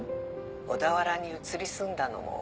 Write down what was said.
小田原に移り住んだのも。